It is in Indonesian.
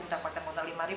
mendapatkan modal rp lima